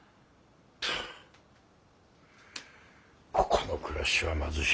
ここの暮らしは貧しい。